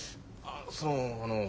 そのあの。